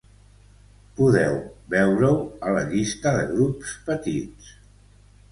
Podeu veure-ho a la llista de grups petits.